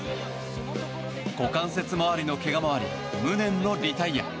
股関節周りの怪我もあり無念のリタイア。